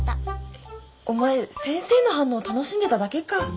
えっお前先生の反応を楽しんでただけか。